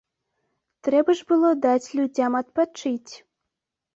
Трэба ж было даць людзям адпачыць.